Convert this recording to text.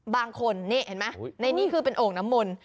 บางคนนี่เห็นไหมในนี้คือเป็นโอ่งน้ำมนต์